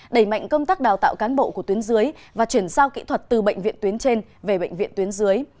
đẩy mạnh công tác đào tạo cán bộ của tuyến dưới và chuyển giao kỹ thuật từ bệnh viện tuyến trên về bệnh viện tuyến dưới